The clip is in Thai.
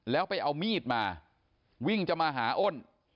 แล้วไปเอามีดมาวิ่งจะมาหาอ้น